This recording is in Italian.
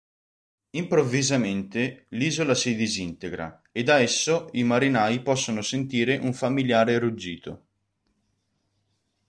Improvvisamente, l'isola si disintegra e da esso i marinai possono sentire un familiare ruggito.